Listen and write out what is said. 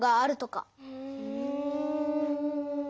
うん。